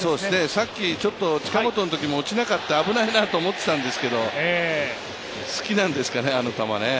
さっきちょっと近本のときも落ちなかったので危ないなと思ってたんですけど、好きなんですかね、あの球ね。